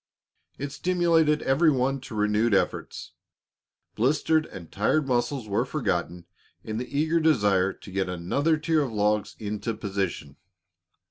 It stimulated every one to renewed efforts. Blisters and tired muscles were forgotten in the eager desire to get another tier of logs into position.